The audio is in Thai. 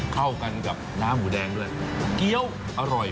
เข้ากันกับน้ำหมูแดงด้วยเกี้ยวอร่อย